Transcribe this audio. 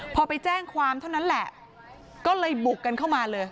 พอไปแจ้งความเท่านั้นแหละก็เลยบุกกันเข้ามาเลย